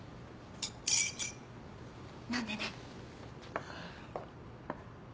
飲んでね。